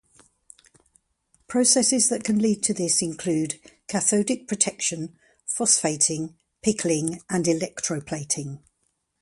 Processes that can lead to this include cathodic protection, phosphating, pickling, and electroplating.